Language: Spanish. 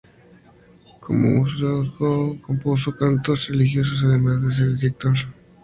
Como músico compuso cantos religiosos además de ser director de varios coros y organista.